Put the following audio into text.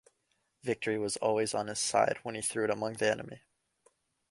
Victory was always on his side when he threw it among the enemy.